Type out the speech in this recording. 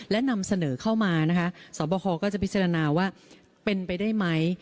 และนำเสนอเข้ามานะคะสอบคอก็จะพิจารณาว่าเป็นไปได้ไหม